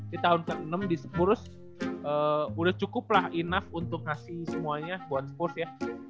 di tahun ke enam dipurus udah cukuplah enough untuk ngasih semuanya buat spurs ya